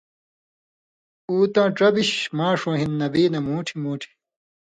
اُوۡ تاں ڇبیۡش ماݜؤں ہِن نبیؐ نہ مُوٹھیۡ مُوٹھیۡ